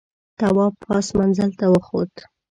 تواب پاس منزل ته وخوت.